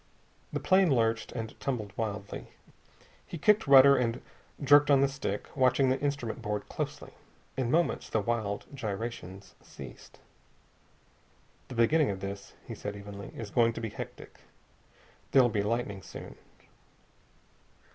The plane lurched and tumbled wildly. He kicked rudder and jerked on the stick, watching the instrument board closely. In moments the wild gyrations ceased. "The beginning of this," he said evenly, "is going to be hectic. There'll be lightning soon."